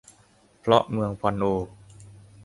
เพราะเมืองพอลโอ